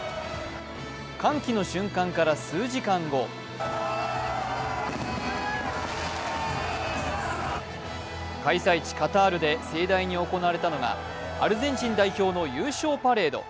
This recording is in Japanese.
歓喜の瞬間から数時間後開催地カタールで盛大に行われたのがアルゼンチン代表の優勝パレード。